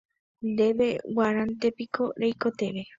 Ndéve g̃uarãntepiko reikotevẽ.